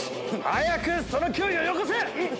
早くそのキウイをよこせ！